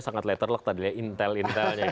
sangat letterlock tadi ya intel intelnya